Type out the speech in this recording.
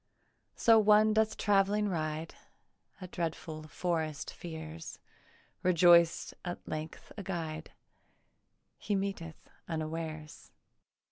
So one doth travelling ride; A dreadful forest fears; Rejoiced at length a guide He meeteth unawares.